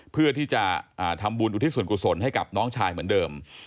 เพื่อที่จะทำบุญอุทิศส่วนกุศลให้กับน้องชายเหมือนเดิม